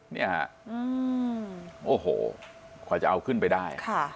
เนี่ยโอ้โหความจะเอาขึ้นไปได้ค่ะ